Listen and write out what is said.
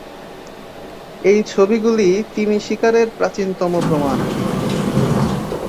এই ছবিগুলো তিমি শিকারের প্রাচীনতম প্রমাণ।